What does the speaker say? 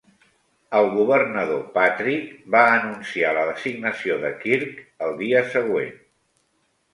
El governador Patrick va anunciar la designació de Kirk el dia següent.